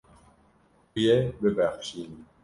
Tu yê bibexşînî.